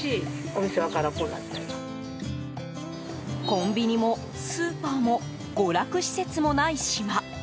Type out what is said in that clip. コンビニもスーパーも娯楽施設もない島。